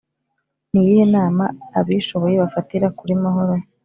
ni iyihe nama abishoboye bafatira kuri mahoro’